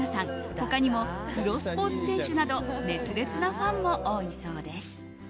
他にもプロスポーツ選手など熱烈なファンも多いそうです。